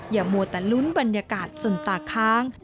มัวแต่ลุ้นบรรยากาศจนตาค้าง